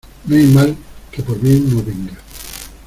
No hay mal que por bien no venga.